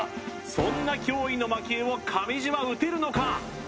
そんな驚異の魔球を上地は打てるのか？